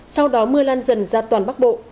sau đó mưa lan dần ra toàn bắc bộ